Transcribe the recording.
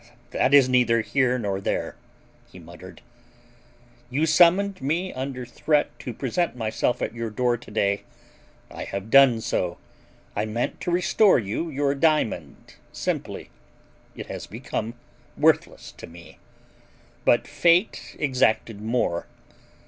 "That is neither here nor there," he muttered. "You summoned me under threat to present myself at your door to day. I have done so. I meant to restore you your diamond, simply. It has become worthless to me. But fate exacted more.